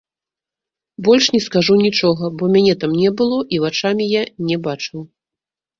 Больш не скажу нічога, бо мяне там не было і вачамі я не бачыў!